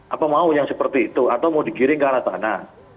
apa mau yang seperti itu atau mau digiring ke arah sana